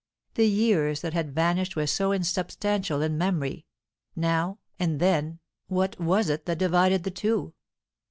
The years that had vanished were so insubstantial in memory; now and then, what was it that divided the two?